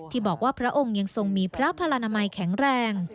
ที่บอกว่าพระองค์ยังทรงมีพระพลนามัยแข็งแรง